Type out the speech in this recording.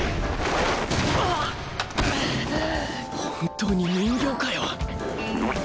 本当に人形かよ？